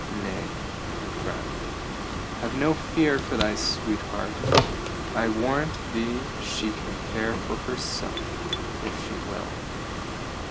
Nay, friend, have no fear for thy sweetheart. I warrant thee she can care for herself, if she will.